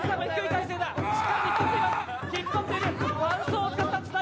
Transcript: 引っ張っている。